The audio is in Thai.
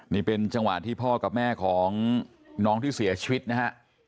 นี่เป็นจังหวะที่พ่อกับแม่ของน้องที่เสียชีวิตนะฮะ